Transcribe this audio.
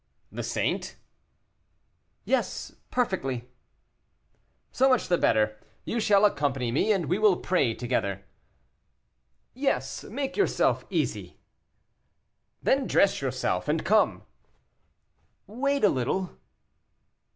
"The saint?" "Yes, perfectly." "So much the better; you shall accompany me, and we will pray together." "Yes; make yourself easy." "Then dress yourself, and come." "Wait a little."